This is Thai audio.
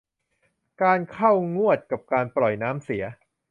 การเข้างวดกับการปล่อยน้ำเสีย